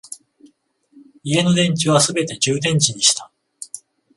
家の電池はすべて充電池にした